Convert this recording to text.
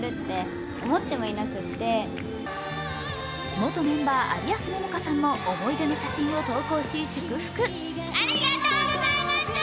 元メンバー・有安杏果さんも思い出の写真を投稿し、祝福。